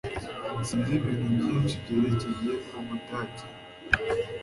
Sinzi ibintu byinshi byerekeye Ubudage